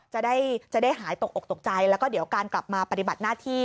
จะได้จะได้หายตกอกตกใจแล้วก็เดี๋ยวการกลับมาปฏิบัติหน้าที่